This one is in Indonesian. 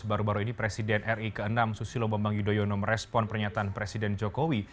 baru baru ini presiden ri ke enam susilo bambang yudhoyono merespon pernyataan presiden jokowi